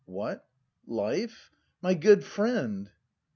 What? life? My good friend